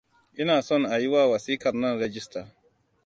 Ina son a yiwa wasiƙar nan rijista.